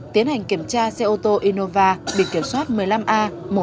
tiến hành kiểm tra xe ô tô innova bị kiểm soát một mươi năm a một mươi một nghìn tám trăm bốn mươi một